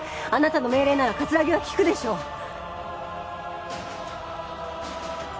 あなたの命令なら葛城は聞くでしょう。